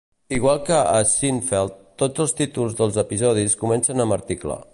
Igual que a "Seinfeld", tots els títols dels episodis comencen amb article.